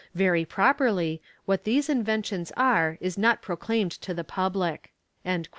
Very properly, what these inventions are is not proclaimed to the public." CHAPTER V.